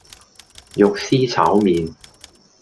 肉絲炒麪